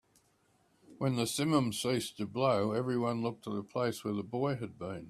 When the simum ceased to blow, everyone looked to the place where the boy had been.